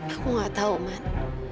aku gak tahu man